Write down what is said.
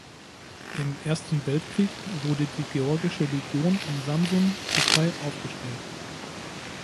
Im Ersten Weltkrieg wurde die Georgische Legion in Samsun, Türkei aufgestellt.